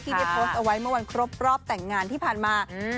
ได้โพสต์เอาไว้เมื่อวันครบรอบแต่งงานที่ผ่านมา